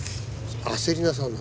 焦りなさんな